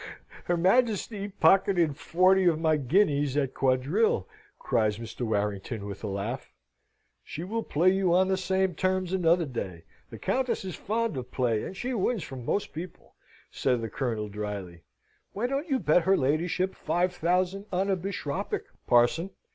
"Her Majesty pocketed forty of my guineas at quadrille," cries Mr. Warrington, with a laugh. "She will play you on the same terms another day. The Countess is fond of play, and she wins from most people," said the Colonel, drily. "Why don't you bet her ladyship five thousand on a bishopric, parson?